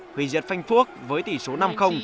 huy diệt phanh phuốc với tỷ số năm